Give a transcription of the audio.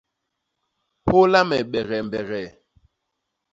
Hôla me begee mbegee.